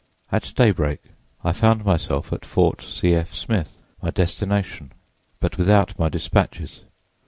At daybreak I found myself at Fort C. F. Smith, my destination, but without my dispatches.